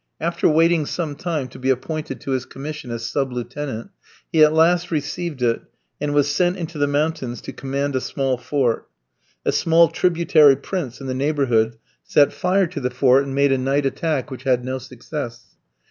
After waiting some time to be appointed to his commission as sub lieutenant, he at last received it, and was sent into the mountains to command a small fort. A small tributary prince in the neighbourhood set fire to the fort, and made a night attack, which had no success.